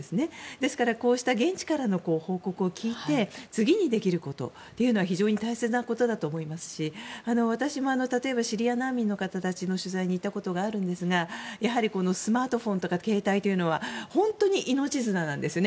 ですからこうした現地からの報告を聞いて次にできることというのは非常に大切なことだと思いますし私も例えば、シリア難民の方の取材に行ったことがありますがやはりスマートフォンとか携帯というのは本当に命綱なんですね。